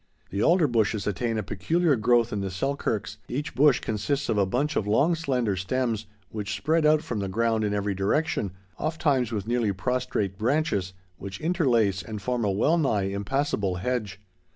The alder bushes attain a peculiar growth in the Selkirks; each bush consists of a bunch of long slender stems, which spread out from the ground in every direction, ofttimes with nearly prostrate branches, which interlace and form a wellnigh impassable hedge.